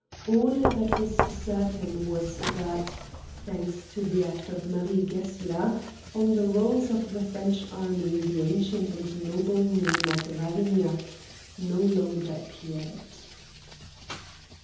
All that was certain was that, thanks to the act of Marie Gessler, on the rolls of the French army the ancient and noble name of Ravignac no longer appeared.